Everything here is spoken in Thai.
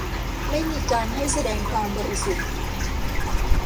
ไม่มีการให้แสดงความบริสุทธิ์